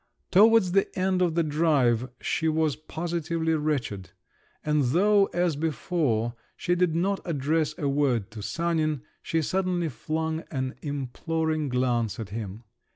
Towards the end of the drive she was positively wretched, and though, as before, she did not address a word to Sanin, she suddenly flung an imploring glance at him….